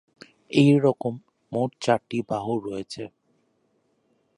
এরকম মোট চারটি বাহু রয়েছে।